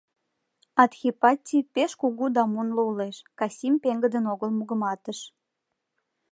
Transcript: — Адхипатти — пеш кугу да мунло улеш, — Касим пеҥгыдын огыл мугыматыш.